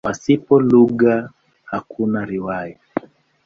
Pasipo lugha hakuna riwaya.